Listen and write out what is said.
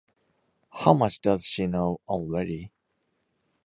How much does she know already?